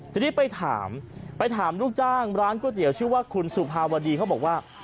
ทีนี้ไปถามไปถามลูกจ้างร้านก๋วยเตี๋ยวชื่อว่าคุณสุภาวดีเขาบอกว่า